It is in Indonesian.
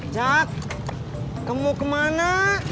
jak kamu kemana